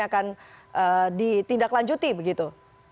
akan ditindaklanjuti begitu